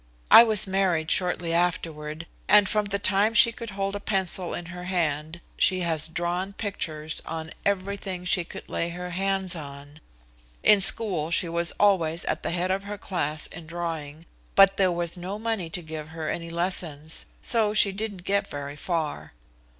I was married shortly afterward, and from the time she could hold a pencil in her hand she has drawn pictures on everything she could lay her hands on. In school she was always at the head of her class in drawing, but there was no money to give her any lessons, so she didn't get very far.